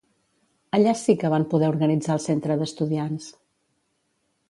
Allà sí que van poder organitzar el Centre d'Estudiants.